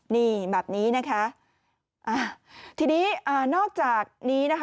นี่แบบนี้นะคะอ่าทีนี้อ่านอกจากนี้นะคะ